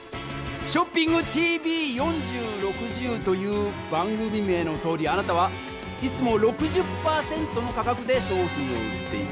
「ショッピングＴＶ４０／６０」という番組名のとおりあなたはいつも６０％の価格で商品を売っていた。